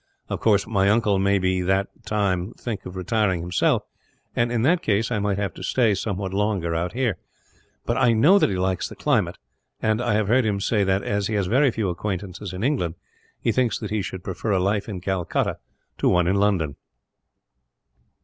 Of course, my uncle may by that time think of retiring himself and, in that case, I might have to stay somewhat longer out here; but I know that he likes the climate, and I have heard him say that, as he has very few acquaintances in England, he thinks that he should prefer a life in Calcutta to one in London."